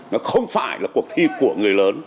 nó không phải là cuộc thi của người lớn